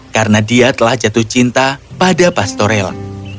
karena dia telah jatuh cinta pada pastorella